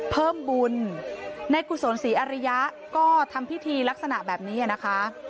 เพิ่มบุญในกุศลศรีอริยะก็ทำพิธีลักษณะแบบนี้นะคะ